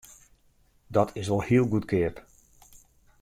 Dat is wol hiel goedkeap!